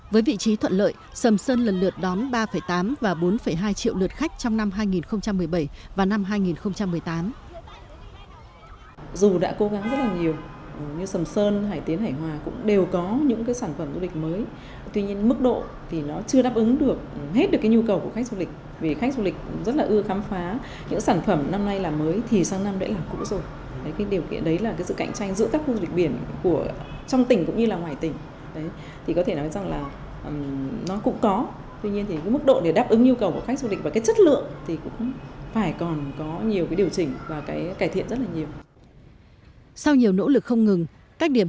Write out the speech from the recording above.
với vị trí thuận lợi sầm sơn lần lượt đón ba tám và bốn hai triệu lượt khách trong năm hai nghìn một mươi bảy và năm hai nghìn một mươi tám